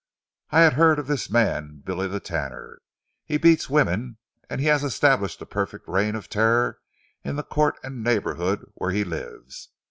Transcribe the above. I had heard of this man Billy the Tanner. He beats women, and has established a perfect reign of terror in the court and neighbourhood where he lives.